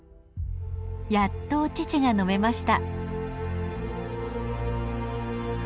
やっとお乳が飲めました。